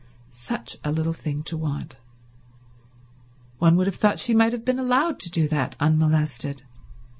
Such a little thing to want. One would have thought she might have been allowed to do that unmolested.